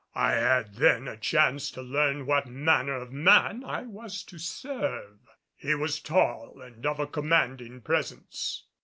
I had then a chance to learn what manner of man I was to serve. He was tall and of a commanding presence.